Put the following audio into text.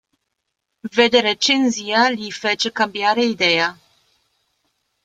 Vedere Cinzia gli fece cambiare idea.